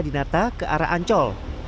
di natah ke arah ancol